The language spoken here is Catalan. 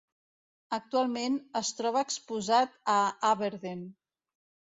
Actualment es troba exposat a Aberdeen.